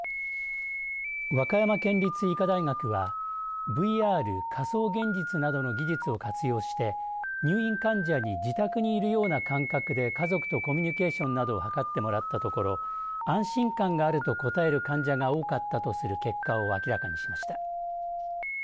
和歌山県立医科大学はＶＲ、仮想現実などの技術を活用して入院患者に自宅にいるような感覚で家族とコミュニケーションなどを図ってもらったところ安心感があると答える患者が多かったとする結果を明らかにしました。